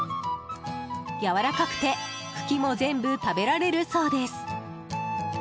やわらかくて茎も全部、食べられるそうです。